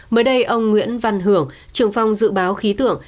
mới đây ông nguyễn văn hưởng trưởng phòng dự báo khí tượng